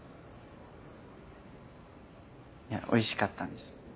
いやおいしかったんですよ。